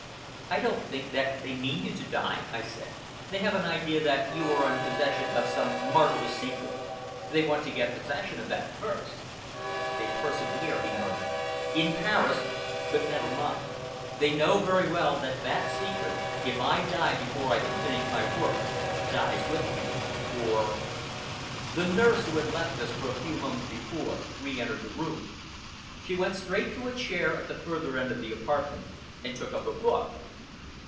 "I don't think that they mean you to die," I said. "They have an idea that you are in possession of some marvellous secret. They want to get possession of that first." "They persevere," he murmured. "In Paris but never mind. They know very well that that secret, if I die before I can finish my work, dies with me, or " The nurse, who had left us a few moments before, re entered the room. She went straight to a chair at the further end of the apartment, and took up a book.